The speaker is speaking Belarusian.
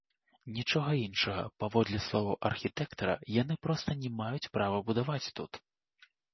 Нічога іншага, паводле словаў архітэктара, яны проста не маюць права будаваць тут.